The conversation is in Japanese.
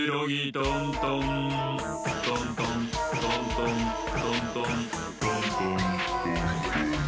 トントントントントントントントントントン。